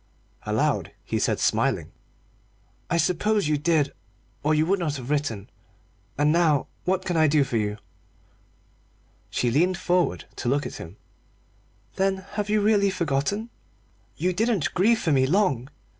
Aloud he said, smiling "I suppose you did, or you would not have written. And now what can I do for you?" She leaned forward to look at him. "Then you really have forgotten? You didn't grieve for me long!